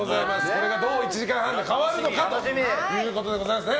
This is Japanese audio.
これがどう１時間半で変わるのかということですね。